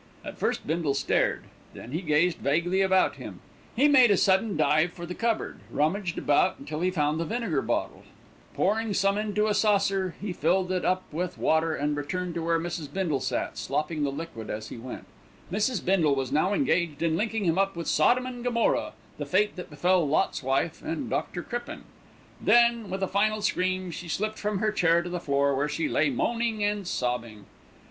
At first Bindle stared; then he gazed vaguely about him. He made a sudden dive for the cupboard, rummaged about until he found the vinegar bottle. Pouring some out into a saucer, he filled it up with water and returned to where Mrs. Bindle sat, slopping the liquid as he went. Mrs. Bindle was now engaged in linking him up with Sodom and Gomorrah, the fate that befell Lot's wife and Dr. Crippen. Then, with a final scream, she slipped from her chair to the floor, where she lay moaning and sobbing.